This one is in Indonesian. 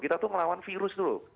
kita tuh melawan virus tuh loh